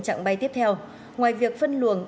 chặng bay tiếp theo ngoài việc phân luồng